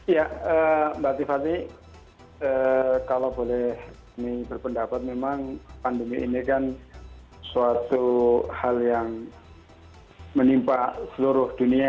ya mbak tiffany kalau boleh berpendapat memang pandemi ini kan suatu hal yang menimpa seluruh dunia